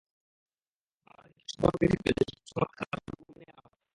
আমাদের দ্বিপক্ষীয় সম্পর্কের ক্ষেত্রে যেসব সমস্যা আছে, তার সবগুলো নিয়ে আলোচনা হবে।